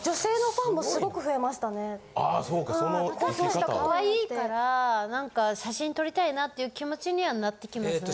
確かにかわいいからなんか写真撮りたいなっていう気持ちにはなってきますよね。